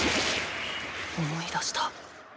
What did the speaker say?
思い出した。